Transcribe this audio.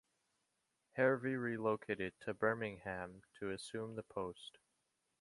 Hervey relocated to Birmingham to assume the post.